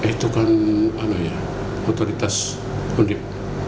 itu kan apa ya otoritas unib